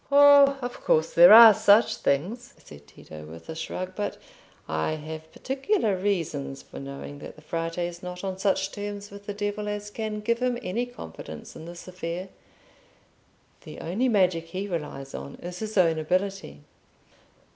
"Oh, of course there are such things," said Tito, with a shrug: "but I have particular reasons for knowing that the Frate is not on such terms with the devil as can give him any confidence in this affair. The only magic he relies on is his own ability."